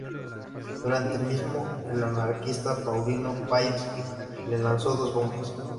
Durante el mismo el anarquista Paulino Pallás le lanzó dos bombas.